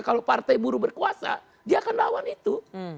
kalau partai buruh berkuasa dia akan lawan itu